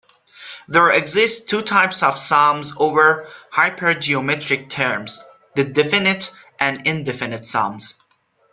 There exist two types of sums over hypergeometric terms, the definite and indefinite sums.